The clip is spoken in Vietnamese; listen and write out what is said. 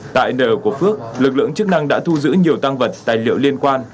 tại nơi ở của phước lực lượng chức năng đã thu giữ nhiều tăng vật tài liệu liên quan